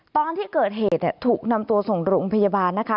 ตอนที่เกิดเหตุถูกนำตัวส่งโรงพยาบาลนะคะ